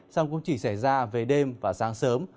song cũng chỉ xảy ra về đêm và sáng sớm